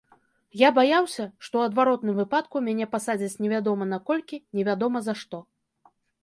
Я баяўся, што ў адваротным выпадку мяне пасадзяць невядома на колькі невядома за што.